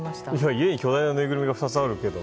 家に巨大なぬいぐるみが２つあるけど。